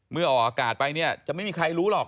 เมื่อออกอากาศไปจะไม่มีใครรู้หรอก